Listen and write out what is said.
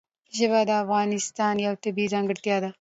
ژبې د افغانستان یوه طبیعي ځانګړتیا ده.